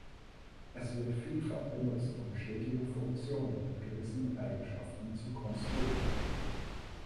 Es wird vielfach benutzt, um stetige Funktionen mit gewissen Eigenschaften zu konstruieren.